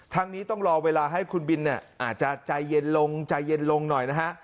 นี้ต้องรอเวลาให้คุณบินเนี่ยอาจจะใจเย็นลงใจเย็นลงหน่อยนะฮะ